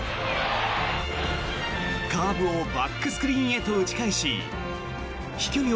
カーブをバックスクリーンへと打ち返し飛距離